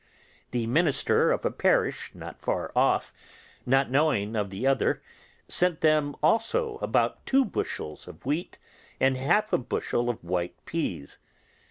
The minister of a parish not far off, not knowing of the other, sent them also about two bushels of wheat and half a bushel of white peas.